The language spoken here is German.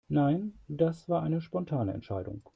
Nein, das war eine spontane Entscheidung.